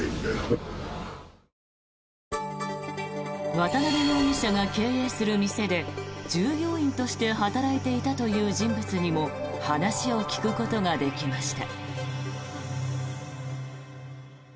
渡邉容疑者が経営する店で従業員として働いていたという人物にも話を聞くことができました。